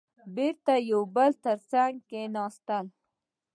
بېرته يو د بل تر څنګ کېناستل.